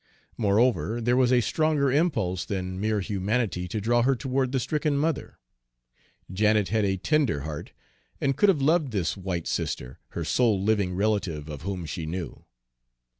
Moreover, there was a stronger impulse than mere humanity to draw her toward the stricken mother. Janet had a tender heart, and could have loved this white sister, her sole living relative of whom she knew.